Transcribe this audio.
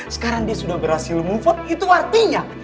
sekarang dia sudah berhasil move itu artinya